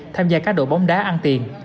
tham gia cá độ bóng đá ăn tiền